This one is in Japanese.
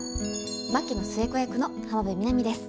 槙野寿恵子役の浜辺美波です。